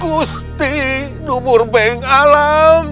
gusti numur beng alam